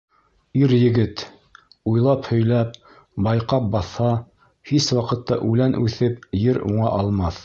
Ир-егет, уйлап һөйләп, байҡап баҫһа — Һис ваҡытта үлән үҫеп, ер уңа алмаҫ.